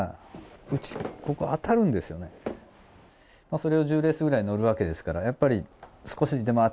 それを１０レースくらい乗るわけですからやっぱり。